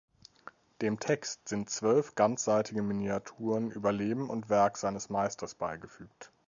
Dem Text sind zwölf ganzseitige Miniaturen über Leben und Werk seines Meisters beigefügt.